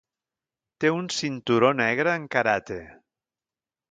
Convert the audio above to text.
Té un cinturó negre en karate.